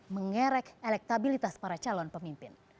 mengerek elektabilitas para calon pemimpin